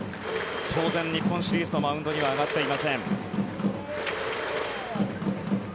当然日本シリーズのマウンドには上がっていません。